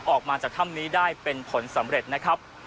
ออกมาจากถ้ำนี้ได้เป็นผลสำเร็จนะครับ